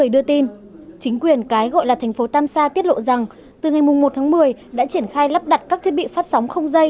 đưa tin chính quyền cái gọi là thành phố tam sa tiết lộ rằng từ ngày một tháng một mươi đã triển khai lắp đặt các thiết bị phát sóng không dây